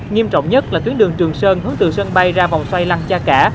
nghiêm trọng nhất là tuyến đường trường sơn hướng từ sân bay ra vòng xoay lăng cha cả